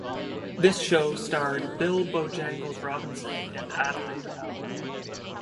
This show starred Bill "Bojangles" Robinson and Adelaide Hall.